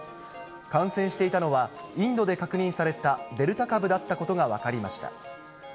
感染していたのは、インドで確認されたデルタ株だったことが分かりました。